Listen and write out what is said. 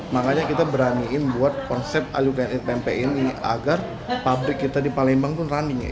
makanya kita beraniin buat konsep alukan tempe ini agar pabrik kita di palembang itu running ya